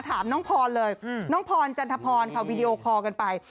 ถามน้องพรเลยน้องพรจันทพรค่ะวีดีโอคอลกันไป